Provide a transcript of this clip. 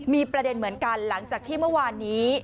มีประเด็นเหมือนกันหลังจากที่เมื่อวานนี้